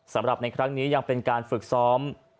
สำหรับในครั้งนี้ยังเป็นการฝึกซ้อม